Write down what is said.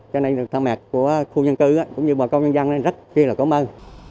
cho nên là tham mạc của khu dân cư cũng như bà công nhân dân rất kêu là cảm ơn